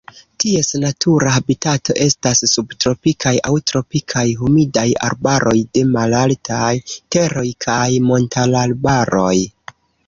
Ties natura habitato estas subtropikaj aŭ tropikaj humidaj arbaroj de malaltaj teroj kaj montararbaroj.